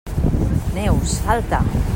Neus, salta!